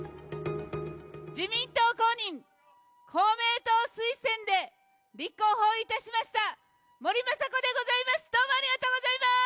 自民党公認、公明党推薦で立候補いたしました、森雅子でございます。